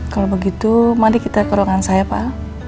kalau begitu mari kita ke ruangan saya pak